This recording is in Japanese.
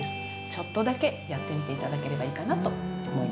ちょっとだけやってみて頂ければいいかなと思います。